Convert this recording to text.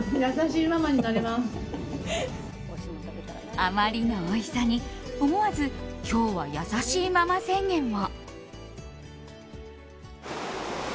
あまりのおいしさに思わず、今日は優しいママ宣言も。